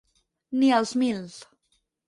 Ni als mils.